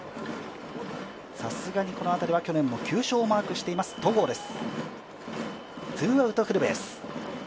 さすがにこの辺りは去年も９勝をマークしています戸郷です。